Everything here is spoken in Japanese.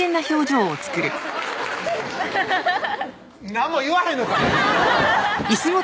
何も言わへんのかい！